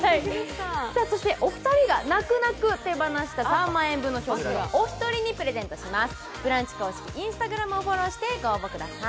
そして、お二人が泣く泣く手放した３万円分の商品はお一人にプレゼントします。